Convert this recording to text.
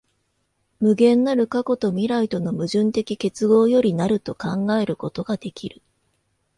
無限なる過去と未来との矛盾的結合より成ると考えることができる。